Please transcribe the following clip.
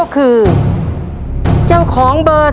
คุณฝนจากชายบรรยาย